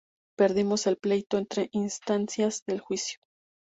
Perdimos el pleito en tres instancias del juicio".